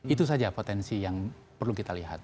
itu saja potensi yang perlu kita lihat